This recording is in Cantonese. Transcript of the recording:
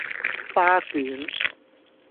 花卷